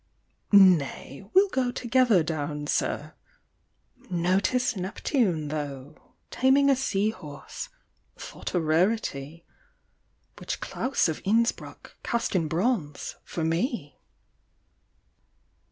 Nay, we'll go Together down, sir. Notice Neptune, though, Taming a sea horse, thought a rarity, Which Claus of Innsbruck cast in bronze for me!